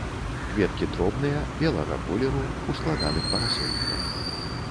Кветкі дробныя, белага колеру, у складаных парасоніках.